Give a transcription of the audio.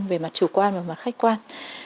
về mặt chủ quan và mặt khách quan